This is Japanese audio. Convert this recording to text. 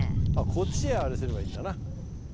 こっちへあれすればいいんだな。